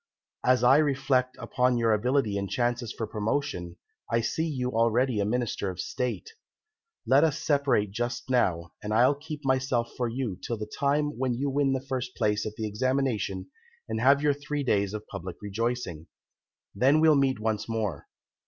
As I reflect upon your ability and chances for promotion, I see you already a Minister of State. Let us separate just now, and I'll keep myself for you till the time when you win the first place at the Examination and have your three days of public rejoicing. Then we'll meet once more.